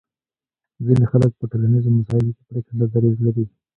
ځینې خلک په ټولنیزو مسایلو کې پرېکنده دریځ لري